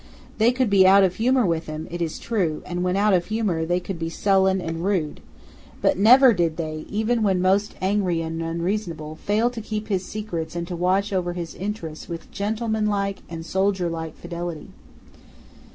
They could be out of humour with him, it is true; and, when out of humour, they could be sullen and rude; but never did they, even when most angry and unreasonable, fail to keep his secrets and to watch over his interests with gentlemanlike and soldierlike fidelity.